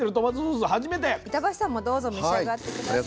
板橋さんもどうぞ召し上がって下さい。